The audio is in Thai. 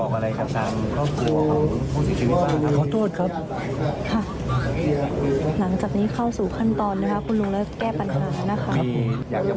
ครับ